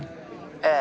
ええ。